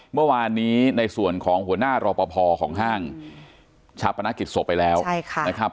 เมื่อวานนี้ในส่วนของหัวหน้ารอปภของห้างชาปนกิจศพไปแล้วนะครับ